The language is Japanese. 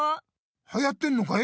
はやってんのかい？